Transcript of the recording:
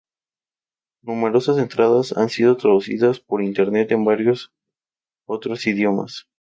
Numerosas entradas han sido traducidas por Internet en varios otros idiomas.